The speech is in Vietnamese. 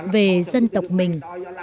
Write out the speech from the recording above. về dân tộc mình